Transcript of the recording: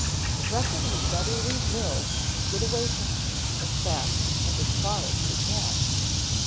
"Reckon we'd better leave Mills and get away from here as fast and as far as we can.